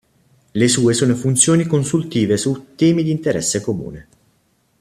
Le sue sono funzioni consultive su temi di interesse comune.